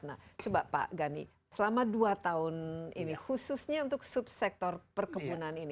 nah coba pak gani selama dua tahun ini khususnya untuk subsektor perkebunan ini